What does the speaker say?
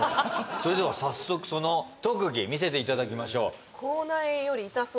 それでは早速その特技見せていただきましょうねえ